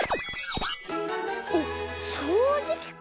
おっそうじきか。